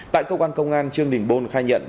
tại cơ quan công an trương đình bôn khai nhận